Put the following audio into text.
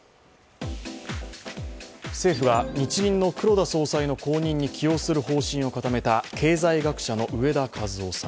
政府が日銀の黒田総裁の後任に起用する方針を固めた経済学者の植田和男さん。